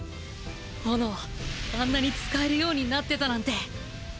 炎あんなに使えるようになってたなんて。